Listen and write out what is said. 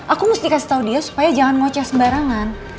aku mesti kasih tahu dia supaya jangan ngoceh sembarangan